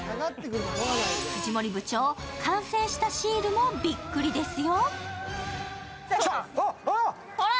藤森部長、完成したシールもびっくりですよ。